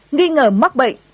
nghi ngờ mắc bệnh